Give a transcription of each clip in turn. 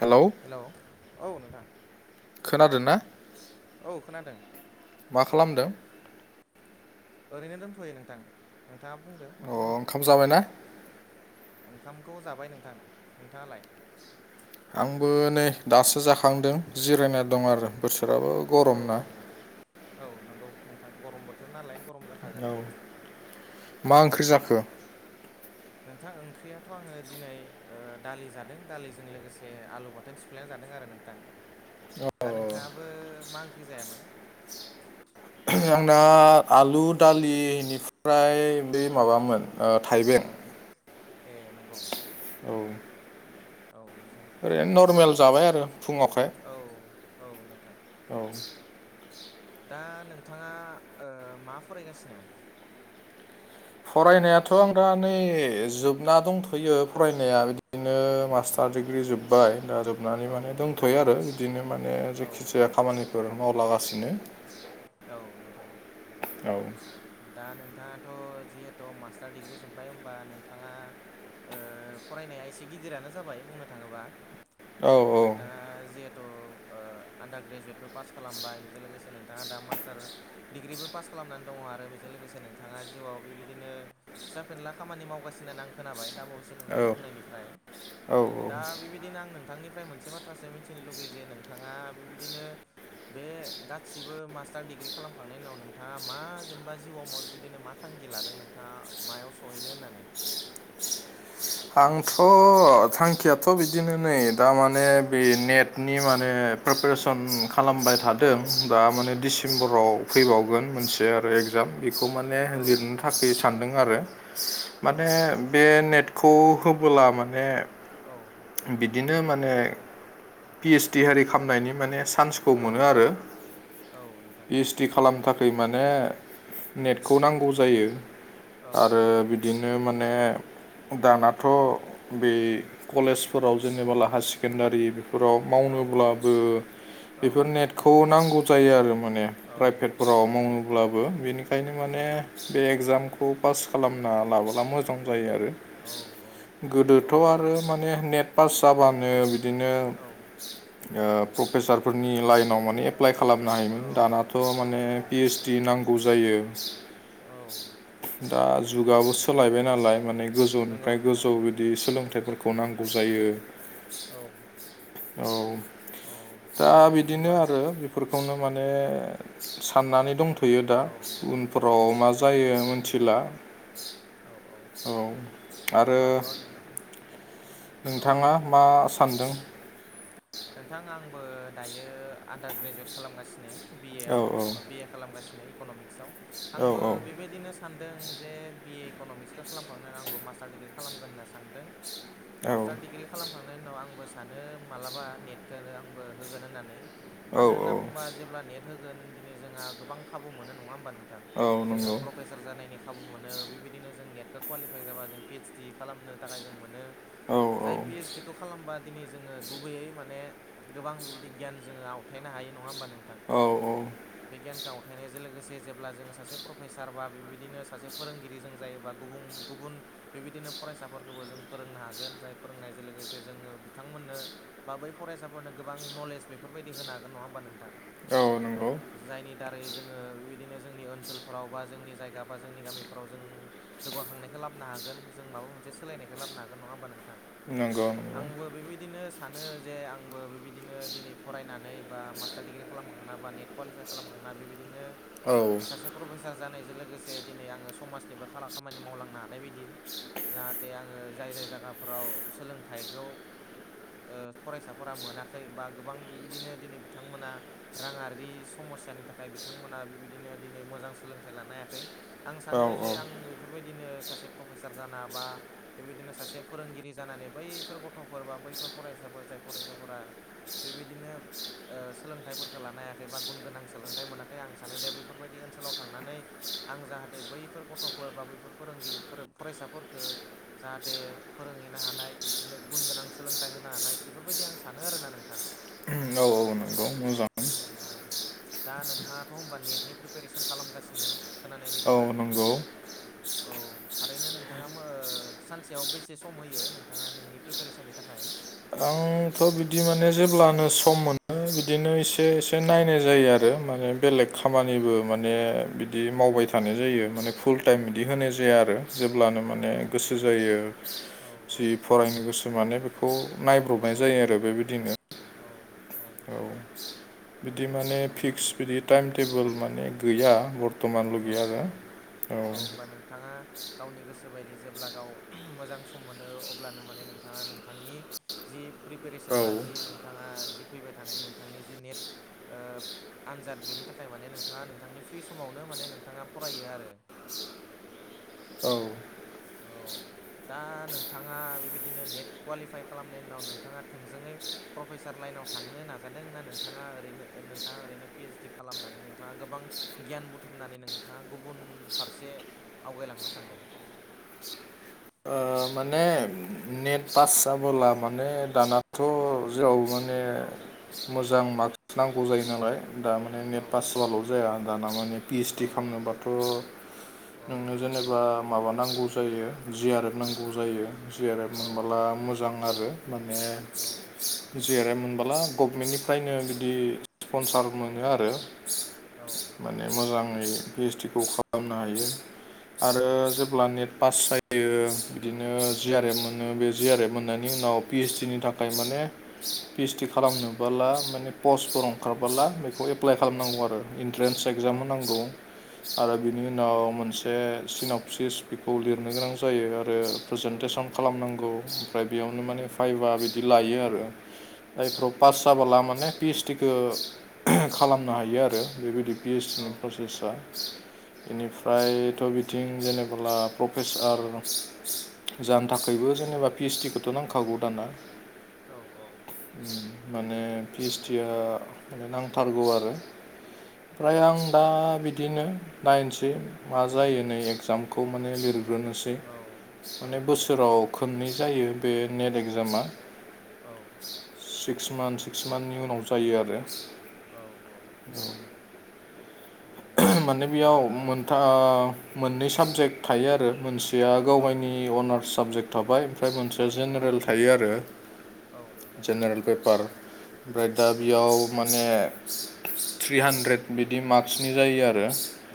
Hello hello औ नोंथां खोनादोंना? औ खोनादों मा खालामदों? ओरैनो दोंथ'यो नोंथां नोंथाङा बुंदो मा अ खालामदो? ओंखाम जाबायना ओंखामखौ जाबाय नोंथां नोंथाङालाय? आंबो नै दासो जाखांदों जिरायना दं आरो बोथोराबो औ गरम ना औ नंगौ नोंथां गरम बोथोर नालाय गरम औ जाखागोन मा ओंख्रि जाखो? नोंथां ओंख्रियाथ' आङो दिनै ओ दालि जादों दालिजों लोगोसे आलु बाथोन सिफ्लेना जादों आरो नोंथां [inaudible] दा नोंथाङाबो मा ओंख्रि जायामोन? आंना आलु दालि इनिफ्राय बे माबामोन ओ थाइबें ए नंगौ औ औ नोंथां ओरैनो नरमेल जाबाय आरो फुङावखाय औ औ नोंथां औ दा नोंथाङा ओ मा फरायगासिनो? फरायनायाथ' आं दा नै जोबना दंथ'यो फरायनाया बिदिनो मास्ट टार दिग्रि जोबबाय दा जोब नानै औ माने नोंथां दंथ'यो आरो बिदिनो माने औ जेखि औ जाया खामानिफोर मावलागासिनो औ नोंथां औ दा नोंथाङाथ जिहेथु मास्टार डिग्रि जोबबाय होनबा नोंथाङा ओ फरायनाया एसे गिदिरानो जाबाय बुंनो थाङोब्ला औ औ नोंथाङा जिहेथु ओ आन्दार ग्रेजुवेटबो पास खालामबाय बेजों लोगोसे से नोंथाङा दा मास्टार डिग्रिबो पास खालामनानै दङ आरो बेजों लोगोसे नोंथाङा जिउआव बेबायदिनो फिसा फिनला खामानि मावगासिनो होननानै आं खोनाबाय दा बावैसो नोंथांनि औ बुंनायनिफ्राय औ दा बेबायदिनो आं नोंथांनिफ्राय मोनसे बाथ्रासो मिथिनो लुगै जे नोंथाङा बेबायदिनो बे गा सिबो मास्टार डिग्रि खालामखांनायनि उनाव नोंथाङा मा जेनेबा जिउआव मा बेबायदिनो मा थांखि लादों नों थाङा मायाव सहैनो होननानै आंथ थांखियाथ बिदिनो नै दा माने बे नेटनि माने प्रेपारेसन खालामबाय थादों औ दा माने औ डिसेम्बराव फैबावगोन मोनसे आरो एगजाम बेखौ माने औ लिरनो नोंथां थाखाय सानदों आरो औ माने नोंथां बे नेटखौ होबोला माने औ बिदिनो माने पि एस डि आरि खालामनायनि माने सान्सखौ औ मोनो आरो औ नोंथां पि ओस डि खालामनो थाखाय माने नेटखौ नांगौ जायो औ आरो बि दिनो माने दानाथ बे कलेजफोराव जेनेबोला हायार सेकेणडारि फोराव औ मावनोब्लाबो औ बेफोर नेटखौ नांगौ जायो आरो माने औ प्राइभेटफोराव मावोब्लाबो बेनिखायनो औ माने ओम बे एगजामखौ पास खालामना लाबोला मोजां जायो आरो औ गोदोथ आरो माने नेट पास जाबानो बिदिनो ओ प्रफेसार फोरनि लाइनाव माने एप्लाइ खालामनो हायोमोन औ दानाथ माने पि ओस दि नांगौ जायो औ दा औ जुगाबो सोलायबाय नालाय माने नंगौ गोजौनिफ्राय नोंथां गोजौ बिदि सोलोंथाइफोर खौ नांगौ जायो औ औ औ औ दा बिदिनो होमबा आरो बेफोरखौनो माने साननानै दंथ यो दा औ उनफोराव मा जायो औ मिथिला औ आरो होमबाथ' औ नोंथाङा। मा सान्दों। नोंथां आंबो दायो आन्दार ग्रेजुवेट खालामगासिनो बिए औ आव बि ए‌आव खालामगासिनो इकनमिक्स आव औ आंबो औ बिबादिनो सानदों जे बिए इकनमिक्सखौ खालामखांनानै आंबो मास्टार डिग्रि खालामगोन होनना सानदों। मास्टार डिग्रि खालामखांनायनि उनाव आंबो सानो मालाबा नेटखौ आंबो होगोन होननानै आ औ मानो होनना बुंबा जेब्ला नेट होगोन दिनै जोंहा गोबां खाबु मोनो नङा होमबा नों औ जोङो नंगौ प्रेसार जानायनि खाबु मोनो बेबायदिनो जों नेटखौ कुवालिफाइ जाबा जों पिओइसडि खालामनो थाखाय जों मोनो। औ जाय पिओइसडि खौ खालामबा दिनै जोङो गुबैयै मानेखे माने गोबां बेबायदि गियान जोङो आवथायनो हायो नङा होमबा नोंथां। औ औ। बिगियानखौ आवथायनायजों लोगोसे जेब्ला जोङो सासे प्रफेसार बा बेबायदिनो सासे फोरोंगिरि जों जायोबा गुबुं गुबुन बिबिदिनो फरायसाफोरखौबो जों फोरोंनो हागोन जाय फोरोंनायजों लोगोसे जोङो बिथांमोननो बा बै फरायसाफोरनो गोबां नलेज बेफोरबायदि होनो हागोन नङा होमबा नोंथां? औ नंगौ। जायनि दारै जोङो बिदिनो जोंनि ओनसोलफोराव बा जोंनि जायगा बा जोंनि गामिफ्राव जों जौगाखांनायखौ लाबनो हागोन जों माबा मोनसे सोलायनायखौ लाबनो हागोन नङा होमबा नोंथां? नंगौ नंगौ आंबो बिबादिनो सानो जे आंबो बेबायदिनो दिनै फरायनानै बा मास्टार डिग्रि खालामखांना बा नेटखौ कुवालिफाइ खालामखांना बिबिदिनो औ। प्रफेसार जानायजों लोगोसे दिनै आङो समाजनिबो खामानि मावलांनो हानाय बिदि जाहाथे आङो जाय जाय जायगाफोराव सोलोंथाइखौ फरायसाफोरा मोनाखै बा गोबां बेबायदिनो दिनै बिथांमोना राङरारि समस्यानि थाखाय बिथांमोना बेबायदिनो दिनै मोजां सोलोंथाइ लानो हायाखै। आं सानो औ जे आं बेफोरबायदिनो सासे प्रफेसार जानो हाबा बेबायदिनो सासे फोरोंगिरि जानानै बैफोर गथ'फोर बा बैफोर फरायसाफोर जाय फरायसाफोरा बेबादिनो सोलोंथाइफोरखौ लानो हायाखै बा गुन गोनां सोलोंथाइ मोनाखै आं सानो दे बेफोरबायदि ओनसोलाव थांनानै आं जाहाथे ओ बैफोर गथ'फोर बा बैफोर फोरोंगिरि फरायसाफोरखौ जाहाथे फोरोंहैनो हानाय बिसोरनो गुन गोनां सोलों थाय होनो हानाय बेफोरबादि आं सानो आरोना नोंथां। औ औ। औ मोजां। दा नोंथाङाथ' होनबा नेटनि प्रिपेरेसन खालामगासिनो खोनानाय औ बादिबा [inaudible] औ थारैनो नोंथाङा सानसेयाव बेसे सम होयो नोंथाङा नोंनि प्रिपेरेसननि थाखाय? थ' बिदि माने जेब्लानो सम मोनो बिदिनो एसे एसे औ नायनाय जायो आरो माने। बेलेग औ खामानिबो माने बिदि मावबाय थानाय जायो औ माने फुल टाइम बिदि होनाय जाया आरो। जेब्लानो माने औ गोसो जायो औ जि फरायनो गोसो माने बेखौ नाय हानाय औ जायो आरो बेबादिनो औ औ। औ औ बिदि माने होमबा फिक्स बिदि टाइम टेबोल औ माने गैया। बर्थमान औ लगै औ आरो आ औ होनबा नोंथाङा? गावनि गोसो बायदि जेब्ला गाव मोजां सम मोनो अब्लानो माने नोंथाङा नोंथांनि जि प्रिपेरेसन बा जि नोंथाङा जि फैबाय थानाय नोंथांनि जि नेट आनजाद बेनि थाखाय माने नोंथाङा नोंथांनि फ्रि समावनो माने नोंथाङा फरायो आरो ना? औ। औ। दा नोंथाङा बेबायदिनो नेट कुवालिफाइ खालामनायनि उनाव नोंथाङा थोंजोङै प्रफेसार लाइनाव थांनो नाजादों ना नोंथाङा ओरैनो नोंथाङा ओरैनो पिइसडि खालामनानै नोंथाङा गोबां गियान बुथुमनानै नोंथाङा गुबुन फारसे आवगायलांनो सानदों? ओ माने नेट पास जाबोला माने दानाथ' जेराव माने औ मोजां मार्कस नांगौ जायो नालाय दा म औ नेट पास जआाल' जाया दाना माने पिइसडि खालामनोबाथ' औ नोंङो जेनेबा माबा नांगौ जायो जि आर एफ नांगौ जायो जि आर एफ औ मोनबोला मोजां आरो। [inaudible] औ जाय मोनबोला गभमेन्टनिफ्रायनो बिदि स्पनसार मोनो आरो। म मोजाङै पिओइस डि खौ खालामनो हायो आरो जोबोर अब्ला नेट पास जायो बिदिनो जि आर एफ मोनो बे जि आर एफ मोननायनि उनाव पि ओइसडि नि नि थाखाय माने पिओइसडि खालामनोबोला माने पस्टफोर दं ओंखारबोला बेखौ एप्लाय खालामनांगौ आरो इन्ट्रेन्स एक्जाम होनांगौ। आरो बिनि उनाव मोनसे मोन सिनपसिस बेखौ लिरनो गोनां जायो आरो प्रेजेन्टेसन खालामनांगौ ओमफ्राय बेयावनो माने फाइभा बिदि लायो आरो औ जायफ्राव पास औ जाबोला माने पिसटिखौ खालामनो हायो आरो बेबायदि पि ओइस डि नि औ नोंथां प्रसेसा। औ निफ्रायथ' बिदि थिं जेनेबोला प्रफेसार जानो थाखायबो औ जेनेबा पिइसडि खौ थ' नांखागौ दाना। औ औ माने पिओसड आ माने नांथारगौ आरो ओमफ्राय आं दा बिदिनो नायनोसै। मा जायो नै एगजामखौ माने लिरग्रोनोसै माने बोसोर खननै जायो बे नेट एगजामा। औ सिक्स मान्थ सिक्स मान्थनि उनाव जायो आरो। औ औ औ माने दा बेयाव मोनथा मोननै साबजेक्ट थायो आरो मोनसेया गाव औ गनि अनार्स साबजेक्ट थाबाय ओमफ्राय मोनसे औ जेनेरेल थायो आरो औ नोंथां जेनेरेल पेपार ओमफ्राय दा औ बेयाव माने थ्रि हान्द्रेद बिदि औ मार्कसनि जायो आरो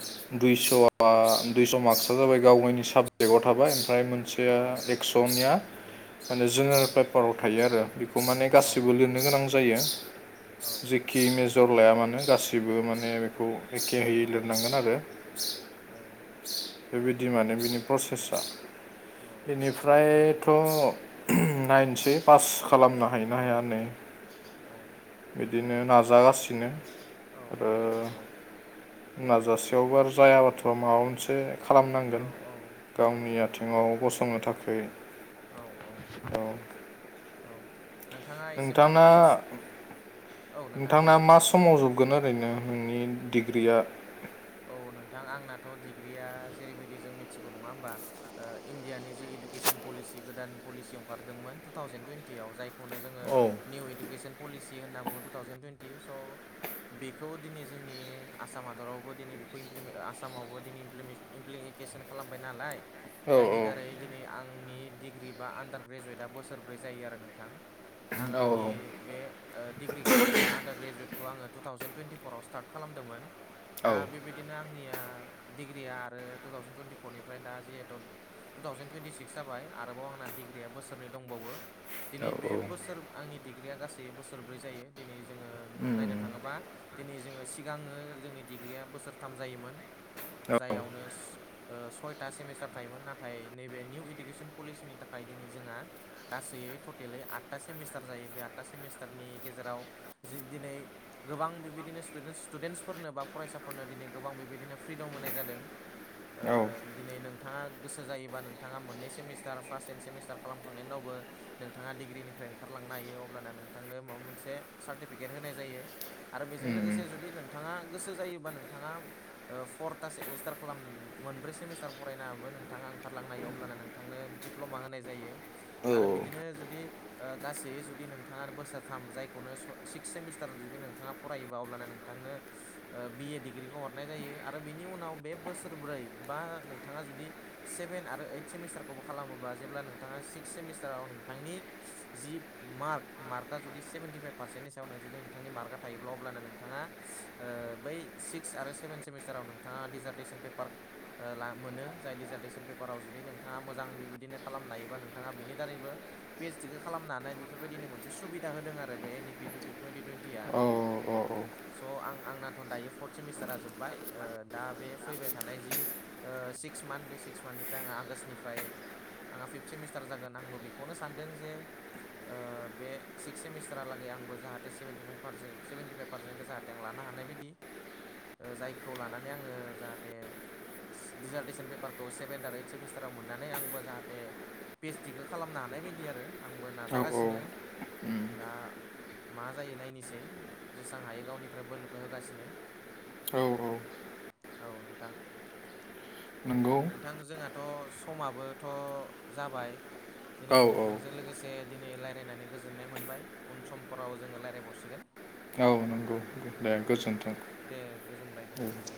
नंगौ दुइस'आ दुइस' मार्कस जाबाय गावावनि साबजेक्टआव थाबाय ओमफ्राय औ मोनसेया एकसनिया माने औ जेनेरेल पेपाराव थायो आरो बेखौ माने गासिबो औ लिरनो गोनां जायो। जेखि मेजर लाया मानो गासिबो माने बेखौ एखे होयै लिरनांगोन आरो औ बेबायदि माने बिनि प्रसेसा। औ औ नंगौ बेनिफ्रायथ' नाइनसै पास खालामना हायोना औ हाया नै औ बिदिनो नाजागासिनो। औ ओ आरो नोंथां नंगौ नाजासेयावबो आरो जायाबाथ' माबा मोनसे औ खालामनांगोन औ नंगौ गावनि नोंथां नंगौ आथिङाव गसंनो थाखाय। औ औ औ औ नोंथाङा एसेमान नोंथांना पिटस औ नोंथां दे नोंथांना मा बुंदो समाव जोबगोन ओरैनो। नोंनि डिग्रिया औ नोंथां आंनाथ' डिग्रिया जेरैबायदि जों मिथिगौ नङा होमबा ओ इण्डियानि जि इडुकेसन पलिसि गोदान पलिसि ओंखारदोंमोन टु थावजेन थुइनटियाव जायखौ खौनो जोङो औ निउ इइुकेसन पलिसि होनना बुङो टु थावजेन टुइन्टि स' बेखौ दिनै जोंनि आसाम हादरावबो दिनै बेखौलि आसामावबो दिनै इमप्लिमेन्टेसन खालामबाय नालाय औ जायनि औ दारै दिनै आंनि डिग्रि बा आन्दार ग्रेजुवेटआ बोसोरब्रै जायो आरो नोंथां आं औ आंनि बे डिग्रिखौ बा आन्दार्रेजुवेखौ आङो थावजेन टुइनन्टिफराव स्टारटदोंमोन दा औ बेबायदिनो आंनिया डिग्रिया आरो टु थावजेन टुइन्टिफरनिफ्राय दा जिहेथु टु थावजेन टुइन्टिक्स जाबाय आरोबाव आंना डिग्रिया बोसोरनै दंबावो दिनै औ बे औ बोसोर आंनि डिग्रिया गासै बोसोरब्रै जायो दिनै जोङो उम नायनो थाङोबा दिनै जोङो सिगाङो जोंनि डिग्रिया बोसोरथाम जायोमोन औ जायावनो ओ सयथा सेमिस्टार थायोमोन नाथाय नैबे निउ इडुकेसन पलिसिनि थाखाय दिनै जोंहा गासै टटेलै आदथा सेमिस्टार जायो बे आदथा सेमिस्टारनि गेजेराव जि दिनै गोबां बेबायदिनो स्टुडेन्टसफोरनो बा फरायसाफोरनो दिनै गोबां बेबायदिनो फ्रिदम होनाय जादों ओ औ दिनै नोंथाङा गोसो जायोबा नोंथाङा मोननै सेमिस्टार फार्स्ट सेन्ड सेमिस्टार खालामखांनायनि उनावबो नोंथाङा डिग्रिनिफ्राय ओंखारलांनो हायो अब्ला नोंथांनो माबा मोनसे सार्टिफिकेट होनाय जायो आरो बेजों लोगोसे जुदि नोंथाङा गोसो जायोबा नोंथाङा फर्था सेमिस्टार खालाम मोनब्रै सेमिस्टार फरायनाबो नोंथाङा ओंखारलांनो हायो अब्ल नों थांनो दिडप्ल'मा होनाय जायो आरो औ बिदिनो जुदि गासै जुदि नोंथाङा बोसोरथाम जायखौनो सिक्स सेमिस्टार जुदि नोंथाङा फरायोबा अब्लानो नों नोंथांनो बि ए डिग्रिखौ हरनाय जायो आरो बिनि उनाव बे बोसोरब्रै बा नोंथाङा जुदि सेभेन आरो ओइट सेमिस्टारखौबो खालामोबा जेब्ला नोंथाङा सिक्स सेमिस्टाराव नोंथांनि जि मार्क मार्कआ जुदि सेभेन्टिफाइभ पार्सेन्टनि सायाव जुदि नोंथांनि मार्कआ थायोब्ला अब्लानो नोंथाङा बै सिक्स आरो सेभेन सेमिस्टाराव नोंथाङा डिजार्टेसन पेपार मोनो जाय डिजार्टेसन पेपाराव जुदि नोंथाङा मोजां बेबायदिनो खालामनो हायोबा नोंथाङा बेनि दारैबो पि एस टि खौ खालामनानै बेफोरबायदिनो मोनसे सुबिदा होदों आरो बे एन इपि टुइन्टि टुइन्टिया स' आं आंनाथ' दायो फर्थ सेमिस्टारा जोब्बाय दा बे फैबाय थानाय जि सिक्स मान्थ बे सिक्स मान्थनिफ्राय आङो आगष्टनिफ्राय आंहा फिफ्थ सेमिस्टार जागोन आंबो बेखौनो सानदों जे बे सिक्स सेमिस्टारालागै आंबो जाहाथे सेभेन्टिफाइभार सेभन्टिफाइभ पार्सेन्टखौ जाहाथे आं लानो हानाय बायदि ओ जायखौ लानानै आङो जाहाथे दिडिजार्टेसन पेपारखौ सेभेनन्ट आरो ओइद सेमिस्टाराव मोननानै आंबो जाहाथे पि एस तिखौ खालामनो हानाय बायदि आरो आंबो औ नाजागासिनो दा मा जायो नायनोसै जेसेबां हायो गावनिफ्राय बोलोखौ होगासिनो औ-औ औ नोंथां नंगौ नोंथां जोंहा थ' समाबोथ' जाबाय औ दिनै औ नोंथांजों लोगोसे जे दिनै रायलायनानै गोजोननाय मोनबाय उन समफोराव जोङो रायलायबावसिगोन औ नंगौ दे गोजोन्थों दे गोजोनबाय नोंथां दे